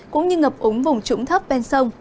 cũng như ngập ống vùng trũng thấp bên sông